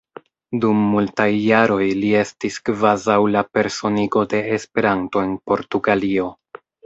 Dum multaj jaroj li estis kvazaŭ la personigo de Esperanto en Portugalio.